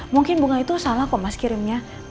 mungkin bunga itu salah kok mas kirimnya